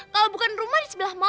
kalau bukan rumah di sebelah mall